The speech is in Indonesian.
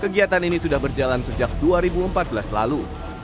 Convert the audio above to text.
kegiatan ini sudah berjalan sejak dua ribu empat belas lalu